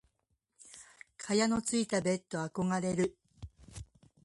蚊帳のついたベット憧れる。